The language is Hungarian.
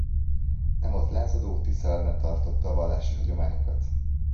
Nem volt lázadó, tiszteletben tartotta a vallási hagyományokat.